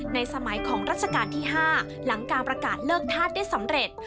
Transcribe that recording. สมัยของรัชกาลที่๕หลังการประกาศเลิกธาตุได้สำเร็จ